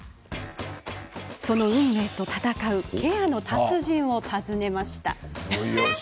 その運命と戦うケアの達人を訪ねました。